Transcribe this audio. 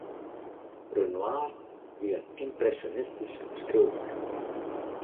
Renoir wie in ympresjonistysk skilder.